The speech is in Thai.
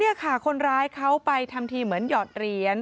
นี่ค่ะคนร้ายเขาไปทำทีเหมือนหยอดเหรียญ